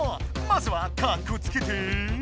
まずはかっこつけて。